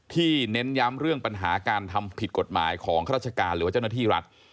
เน้นย้ำเรื่องปัญหาการทำผิดกฎหมายของข้าราชการหรือว่าเจ้าหน้าที่รัฐ